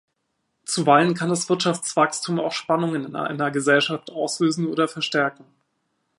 Zuweilen kann das Wirtschaftswachstum auch Spannungen in einer Gesellschaft auslösen oder verstärken.